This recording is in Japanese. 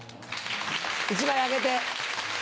１枚あげて。